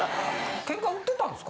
喧嘩売ってたんですか？